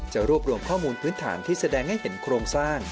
รวบรวมข้อมูลพื้นฐานที่แสดงให้เห็นโครงสร้าง